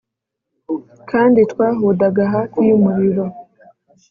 kandi twahudaga hafi y'umuriro,